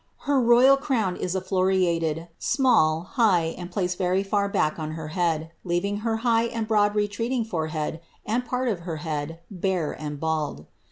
Her royal crown is affloriatcd, small, high, and placed very far iMurk on her head, leaving her high and broad retreating forehead, and part of her head, bare and bald.